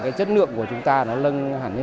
cái chất nữ của chúng ta